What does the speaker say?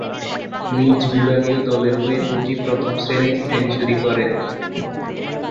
নিজ বিভাগীয় দলের হয়ে দু’টি প্রথম-শ্রেণীর সেঞ্চুরি করেন।